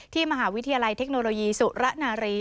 มหาวิทยาลัยเทคโนโลยีสุระนารี